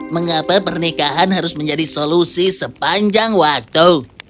mengapa pernikahan harus menjadi solusi sepanjang waktu